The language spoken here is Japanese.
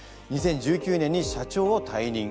２０１９年に社長を退任。